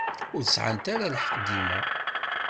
Ur sεant ara lḥeqq dima.